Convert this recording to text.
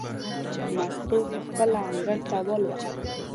مستو پخپله انګړ ته ووتله.